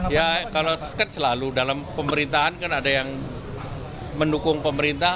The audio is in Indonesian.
ya kalau kan selalu dalam pemerintahan kan ada yang mendukung pemerintah